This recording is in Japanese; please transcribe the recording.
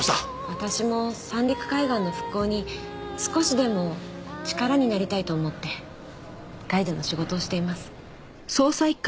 私も三陸海岸の復興に少しでも力になりたいと思ってガイドの仕事をしています。